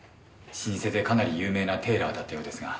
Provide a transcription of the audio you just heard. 老舗でかなり有名なテーラーだったようですが。